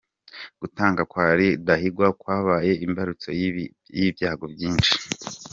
Gutanga kwa Rudahigwa kwabaye imbarutso y’ibyago byinshi.